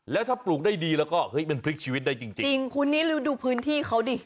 แล้วถ้าปลูกได้ดีแล้วก็เฮ้ยมันพลิกชีวิตได้จริงจริงคุณนี่เราดูพื้นที่เขาดิ